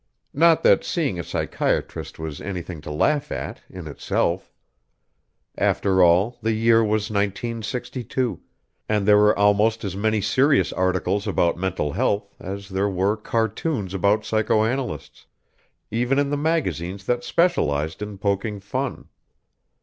Not that seeing a psychiatrist was anything to laugh at, in itself. After all, the year was 1962, and there were almost as many serious articles about mental health as there were cartoons about psychoanalysts, even in the magazines that specialized in poking fun.